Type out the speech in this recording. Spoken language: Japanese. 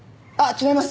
違います